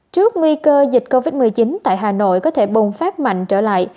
trước nguy cơ dịch covid một mươi chín tại hà nội có thể bùng phát mạnh trở lại